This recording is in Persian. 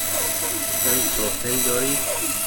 جای صاف تری دارید؟